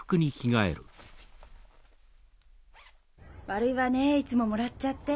・悪いわねいつももらっちゃって。